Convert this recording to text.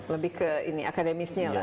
lebih ke akademisnya lah